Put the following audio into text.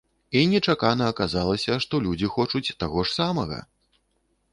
І нечакана аказалася, што людзі хочуць таго ж самага!